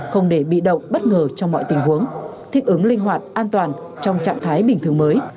không để bị động bất ngờ trong mọi tình huống thích ứng linh hoạt an toàn trong trạng thái bình thường mới